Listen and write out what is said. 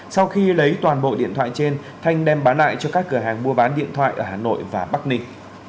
sau khi lấy toàn bộ điện thoại trên thanh đem bán lại cho các cửa hàng mua bán điện thoại ở hà nội và bắc ninh